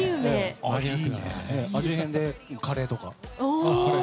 味変でカレーとか。